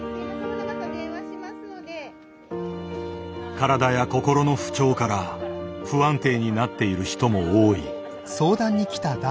体や心の不調から不安定になっている人も多い。